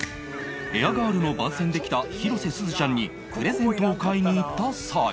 『エアガール』の番宣で来た広瀬すずちゃんにプレゼントを買いに行った際